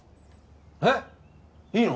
えっいいの？